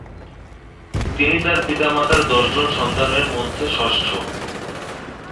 তিনি তার পিতামাতার দশজন সন্তানের মধ্যে ষষ্ঠ।